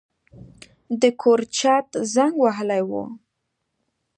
د کور چت زنګ وهلی و.